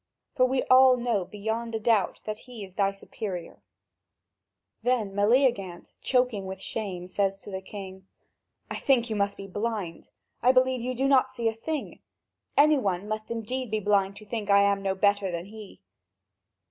For we all know beyond a doubt that he is thy superior." Then Meleagant, choking with shame, says to the king: "I think you must be blind! I do not believe you see a thing. Any one must indeed be blind to think I am not better than he."